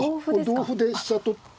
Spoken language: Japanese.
同歩で飛車取って。